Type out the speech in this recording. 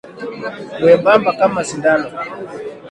Mwembamba kama sindano.